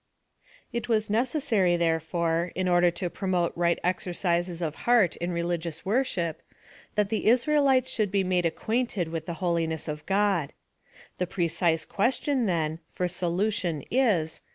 It was necessary, therefore, in order to promote right exercises of heart in religious worship, that the Israelites should be made acquainted with the Holiness of God. The precise question, then, for solution is.